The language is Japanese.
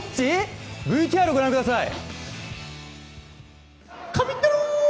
ＶＴＲを御覧ください。